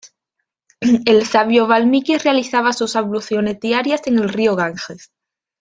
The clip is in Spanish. El sabio Valmiki realizaba sus abluciones diarias en el río Ganges.